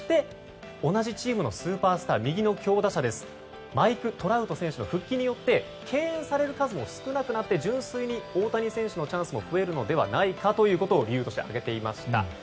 同じチームのスーパースター右の強打者マイク・トラウト選手の復帰によって敬遠される数も少なくなって純粋に大谷選手のチャンスが増えるのではないかということを理由として挙げていました。